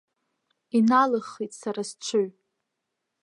Иналаххит сара сҽыҩ.